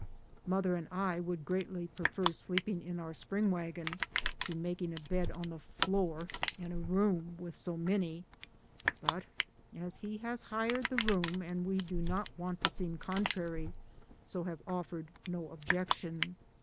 Mother and I would greatly prefer sleeping in our spring wagon, to making a bed on the floor in a room with so many, but as he has hired the room we do not want to seem contrary, so have offered no objection.